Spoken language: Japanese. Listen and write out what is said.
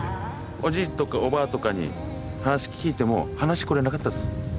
おじいとかおばあとかに話聞いても話してくれなかったです。